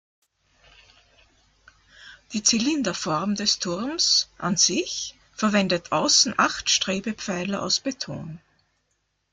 Die Zylinderform des Turms an sich verwendet außen acht Strebepfeiler aus Beton.